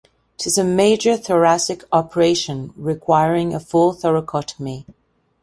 It is a major thoracic operation requiring a full thoracotomy.